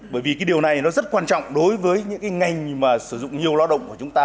bởi vì điều này rất quan trọng đối với những ngành sử dụng nhiều lao động của chúng ta